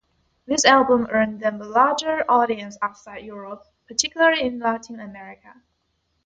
This album earned them a larger audience outside Europe, particularly in Latin America.